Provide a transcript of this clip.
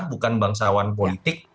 bukan bangsawan politik